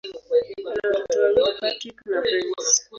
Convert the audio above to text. Ana watoto wawili: Patrick na Prince.